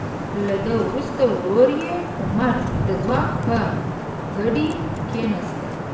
له ده وروسته ورور یې عمر د ځواک په ګدۍ کیناست.